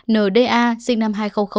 n d a sinh năm hai nghìn bảy